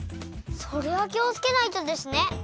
それはきをつけないとですね！